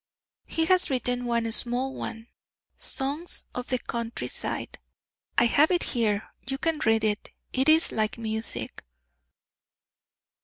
"He has written one small one 'Songs of the Country side.' I have it here. You can read it; it is like music."